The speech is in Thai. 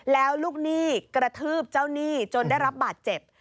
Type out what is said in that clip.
แล้วลูกหนี้กระทืบเจ้าหนี้จนได้รับบาดเจ็บ